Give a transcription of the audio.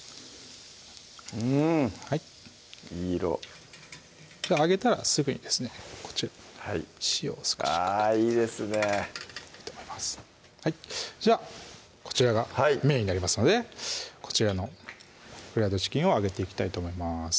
うんいい色あげたらすぐにですねこちら塩を少しかけてあぁいいですねいいと思いますじゃあこちらがメインになりますのでこちらのフライドチキンを揚げていきたいと思います